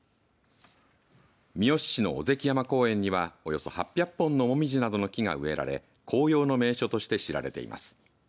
三次市の尾関山公園にはおよそ８００本の紅葉などの木が植えられ紅葉の名所として知られています。